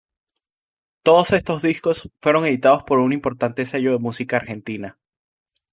Todos estos discos fueron editados por un importante sello de música argentina.